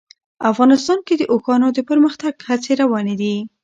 افغانستان کې د اوښانو د پرمختګ هڅې روانې دي.